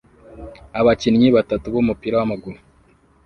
Abakinnyi batatu b'umupira w'amaguru